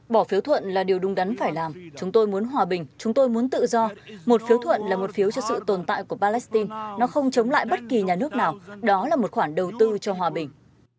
bỏ phiếu thuận là điều đúng đắn phải làm chúng tôi muốn hòa bình chúng tôi muốn tự do một phiếu thuận là một phiếu cho sự tồn tại của palestine nó không chống lại bất kỳ nhà nước nào đó là một khoản đầu tư cho hòa bình